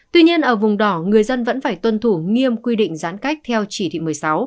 tuy nhiên ở vùng đỏ người dân vẫn phải tuân thủ nghiêm quy định giãn cách theo chỉ thị một mươi sáu